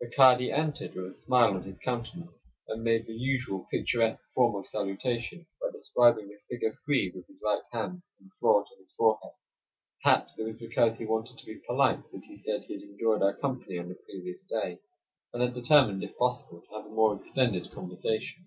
The kadi entered with a smile on his countenance, and made the usual picturesque form of salutation by describing the figure 3 with his right hand from the floor to his forehead. Perhaps it was because he wanted to be polite that he said he had enjoyed our company on the previous day, and had determined, if possible, to have a more extended conversation.